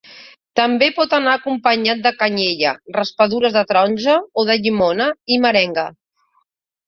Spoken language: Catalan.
També pot anar acompanyat de canyella, raspadures de taronja o de llimona, i merenga.